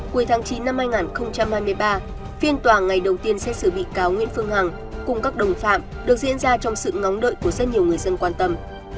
cuối tháng chín năm hai nghìn hai mươi ba phiên tòa ngày đầu tiên xét xử bị cáo nguyễn phương hằng cùng các đồng phạm được diễn ra trong sự ngóng đợi của rất nhiều người dân quan tâm